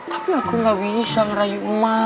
tapi aku gak bisa ngerayu emas